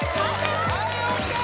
はいＯＫ